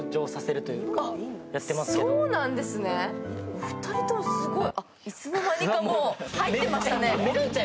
お二人ともすごいあっ、いつの間にかもう入ってましたね。